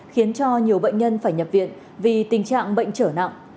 khiến cho nhiều bệnh nhân phải nhập viện vì tình trạng bệnh trở nặng